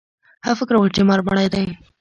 هغه فکر وکړ چې مار مړ دی.